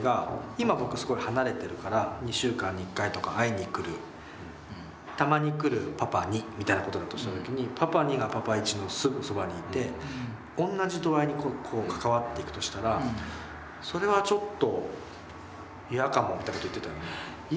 今僕すごい離れてるから２週間に１回とか会いに来るたまに来るパパ２みたいなことだとした時にパパ２がパパ１のすぐそばにいて同じ度合いに関わっていくとしたらそれはちょっと嫌かもみたいなこと言ってたよね。